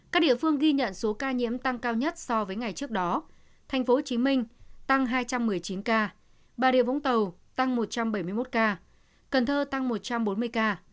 các địa phương ghi nhận số ca nhiễm tăng cao nhất so với ngày trước đó tp hcm tăng hai trăm một mươi chín ca bà rịa vũng tàu tăng một trăm bảy mươi một ca cần thơ tăng một trăm bốn mươi ca